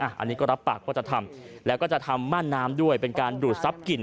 อันนี้ก็รับปากว่าจะทำแล้วก็จะทำม่านน้ำด้วยเป็นการดูดทรัพย์กลิ่น